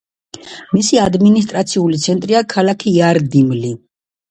მისი ადმინისტრაციული ცენტრია ქალაქი იარდიმლი.